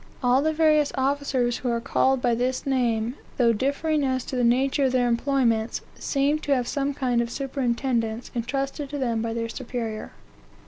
All the various officers who are called by this name, though differing as to the nature of their employments, seem to have some kind of superintendence intrusted to them by their superior."